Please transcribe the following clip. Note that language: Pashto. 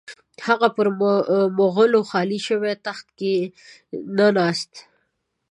هغه پر مغولو خالي شوي تخت کښې نه ناست.